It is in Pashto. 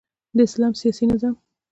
د اسلام سیاسی نظام